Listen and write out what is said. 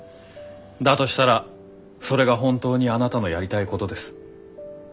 だとしたらそれが本当にあなたのやりたいことです。